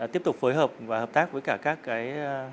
tiếp tục phối hợp và hợp tác với cả các cái